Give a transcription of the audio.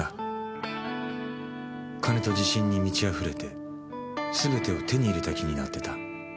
金と自信に満ちあふれてすべてを手に入れた気になってた。